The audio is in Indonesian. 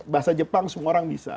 bahasa jepang semua orang bisa